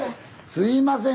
すいません